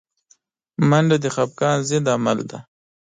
منډه د خفګان ضد عمل دی